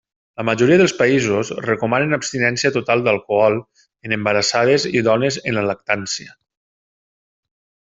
La majoria dels països recomanen abstinència total d'alcohol en embarassades i dones en la lactància.